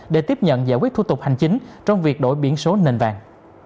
để tiếp nhận giải quyết thủ tục hành chính trong việc đổi biển số nền vàng